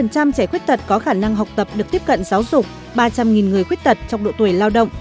bảy mươi trẻ khuyết tật có khả năng học tập được tiếp cận giáo dục ba trăm linh người khuyết tật trong độ tuổi lao động